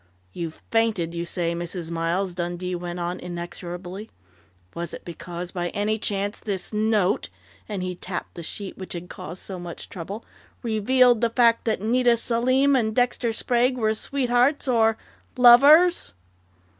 "You fainted, you say, Mrs. Miles," Dundee went on inexorably. "Was it because, by any chance, this note " and he tapped the sheet which had caused so much trouble "revealed the fact that Nita Selim and Dexter Sprague were sweethearts or lovers?"